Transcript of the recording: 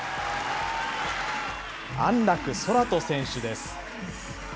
安楽宙斗選手です。